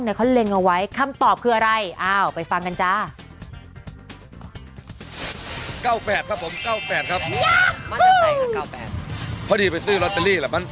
แล้วเค้ากว้าดจากไหน๙๘